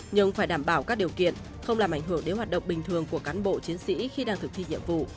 nhưng phải đảm bảo các điều kiện không làm ảnh hưởng đến hoạt động bình thường của cán bộ chiến sĩ khi đang thực thi nhiệm vụ